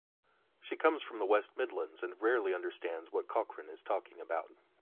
She comes from the West Midlands and rarely understands what Cochrane is talking about.